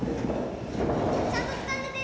ちゃんとつかんでて。